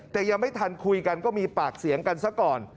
แต่ยังไม่ทันคุยกันก็มีปากเสียงกันซะก่อน